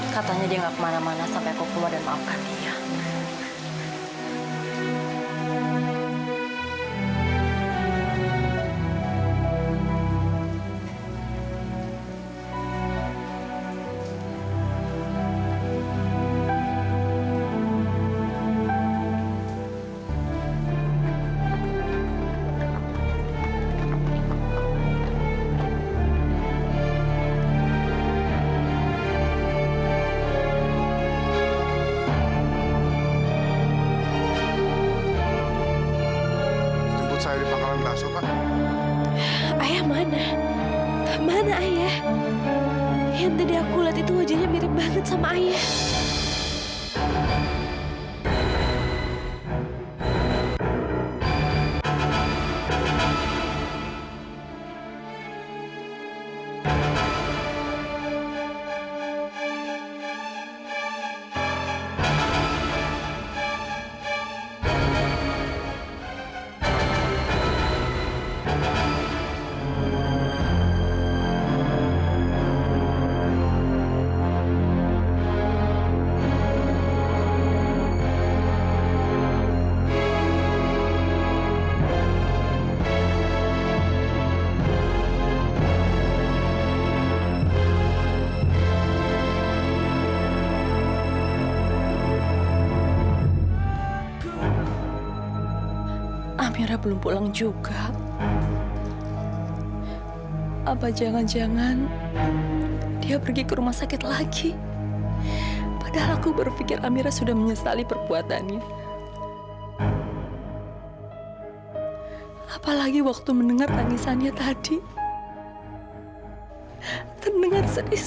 katanya dia gak kemana mana sampai aku kemudian maafkan dia